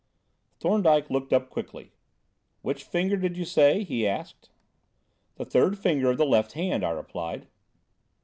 Thorndyke looked up quickly. "Which finger, did you say?" he asked. "The third finger of the left hand," I replied.